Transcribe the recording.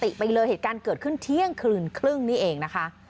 จนช็อกหมดสติไปเลยเหตุการณ์เกิดขึ้นเที่ยงคืนครึ่งนี้เองนะคะ